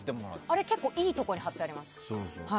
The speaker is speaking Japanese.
あれ、結構いいところに貼ってありますよね。